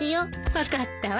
分かったわ。